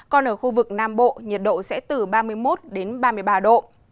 còn ở khu vực nam bộ nhiệt độ sẽ từ ba mươi một ba mươi năm độ